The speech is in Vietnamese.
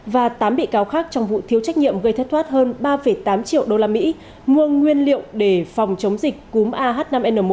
và tám bị cáo khác trong vụ thiếu trách nhiệm gây thất thoát hơn ba tám triệu usd mua nguyên liệu để phòng chống dịch cúm ah năm n một